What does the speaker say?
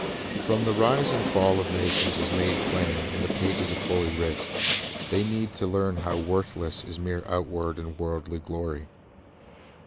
From the rise and fall of nations as made plain in the pages of Holy Writ, they need to learn how worth less is mere outward and worldly glory.